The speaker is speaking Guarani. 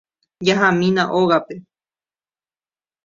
Jahámína ógape.